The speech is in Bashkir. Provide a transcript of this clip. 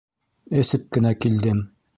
Эсеп кенә килдем.